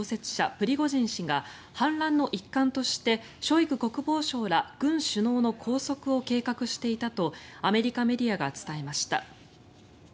プリゴジン氏が反乱の一環としてショイグ国防相ら軍首脳の拘束を計画していたとアメリカメディアが伝えました。